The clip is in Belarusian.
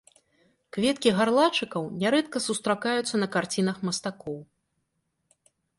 Кветкі гарлачыкаў нярэдка сустракаюцца на карцінах мастакоў.